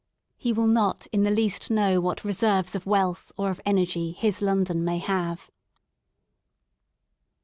He will not in the least know what reserves of wealth or of energy his London may have.